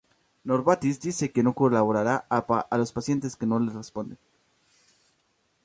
Novartis dice que no cobrará a los pacientes que no responden.